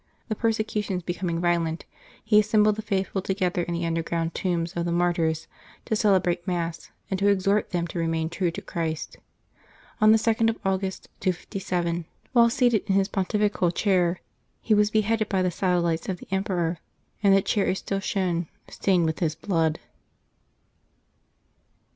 The persecutions becoming violent, he assembled the faith ful together in the underground tombs of the martyrs, to celebrate Mass and to exhort them to remain true to Christ. On the 2d of August, 257, while seated in his pontifical chair, he was beheaded by the satellites of the emperor; and the chair is still shown, stained with his blood.